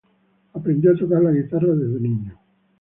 Aprendió a tocar la guitarra desde niño.